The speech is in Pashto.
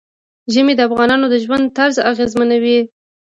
ژمی د افغانانو د ژوند طرز اغېزمنوي.